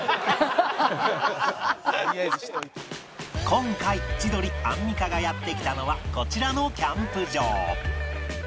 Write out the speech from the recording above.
今回千鳥アンミカがやって来たのはこちらのキャンプ場